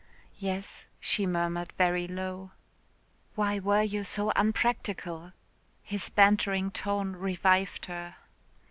"Yes," she murmured very low. "Why were you so unpractical?" his bantering tone revived her.